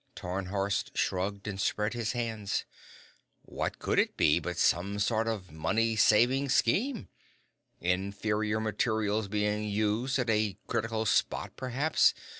Tarnhorst shrugged and spread his hands. "What could it be but some sort of money saving scheme? Inferior materials being used at a critical spot, perhaps.